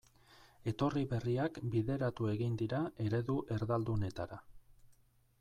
Etorri berriak bideratu egin dira eredu erdaldunetara.